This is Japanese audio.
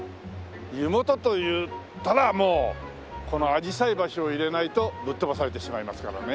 湯本といったらもうこのあじさい橋を入れないとぶっとばされてしまいますからね。